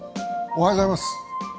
おはようございます。